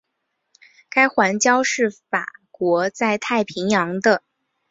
该环礁是法国在太平洋的。